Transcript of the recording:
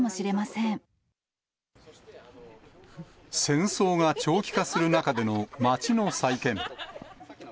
戦争が長期化する中での街の再建。